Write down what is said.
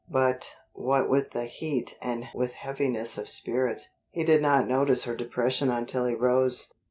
But, what with the heat and with heaviness of spirit, he did not notice her depression until he rose.